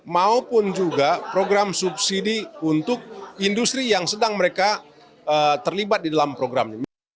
maupun juga program subsidi untuk industri yang sedang mereka terlibat di dalam program ini